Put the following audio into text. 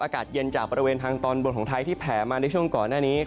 อากาศเย็นจากบริเวณทางตอนบนของไทยที่แผ่มาในช่วงก่อนหน้านี้